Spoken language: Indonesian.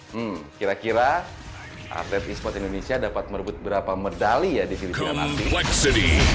hmm kira kira atlet e sport indonesia dapat merebut berapa medali ya di filipina nanti